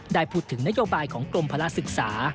ได้พูดถึงนโยบายของกรมพละศึกษา